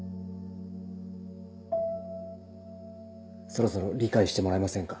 そろそろ理解してもらえませんか？